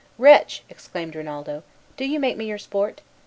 "Wretch!" exclaimed Rinaldo, "do you make me your sport?"